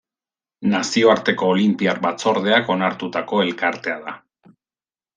Nazioarteko Olinpiar Batzordeak onartutako elkartea da.